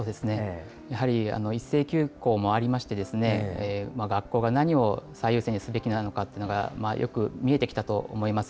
やはり一斉休校もありまして、学校が何を最優先にすべきなのかというのがよく見えてきたと思います。